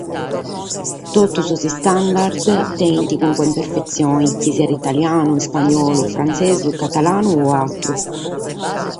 Totu sos istandard tenet carchi imperfetzione, chi siat italianu, ispagnolu, frantzesu, catalanu o àteru.